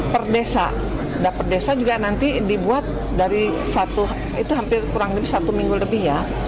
per desa dapat desa juga nanti dibuat dari satu itu hampir kurang lebih satu minggu lebih ya